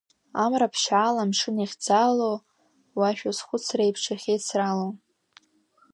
Амра ԥшьаала амшын иахьӡаало, уашәа схәыцреиԥш иахьеицрало.